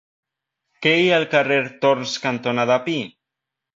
Què hi ha al carrer Torns cantonada Pi?